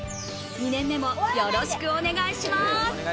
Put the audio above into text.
２年目もよろしくお願いします。